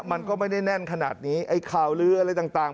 มันก็ไม่ได้แน่นขนาดนี้ไอ้ข่าวลืออะไรต่าง